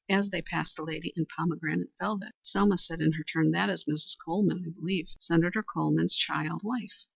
As they passed the lady in pomegranate velvet, Selma said, in her turn, "That is Mrs. Colman, I believe. Senator Colman's child wife."